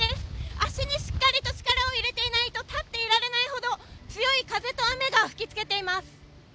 足にしっかり力を入れないと立っていられないほど強い風と雨が吹きつけています。